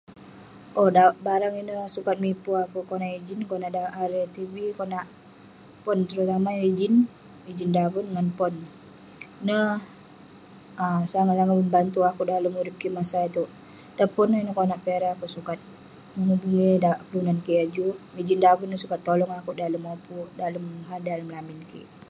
Owk, dan barang ineh sukat miper akouk konak ijin, konan da- erei tv, konak pon terutama ijin, ijin daven ngan pon. Ineh ah sangat sangat membantu akouk dalem masak itouk. Dan pon ineh, konak kunah ireh sukat mengubungi kelunan kik yah juk, ijin daven neh sukat tolong akouk dalem mopuk, dalem han lamin kik.